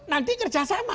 nanti kerja sama